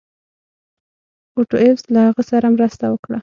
اوټو ایفز له هغه سره مرسته وکړه.